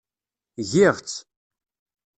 Giɣ-tt.